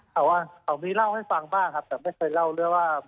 เขามีเล่าให้ฟังบ้างครับแต่ไม่เคยเล่าด้วยว่า